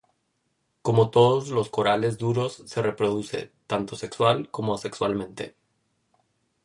Como todos los corales duros, se reproduce, tanto sexual, como asexualmente.